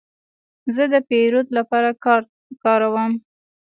زه د پیرود لپاره کارت کاروم.